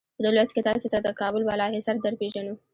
په دې لوست کې تاسې ته کابل بالا حصار درپېژنو.